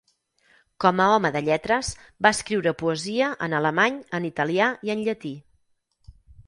Com a home de lletres, va escriure poesia en alemany, en italià i en llatí.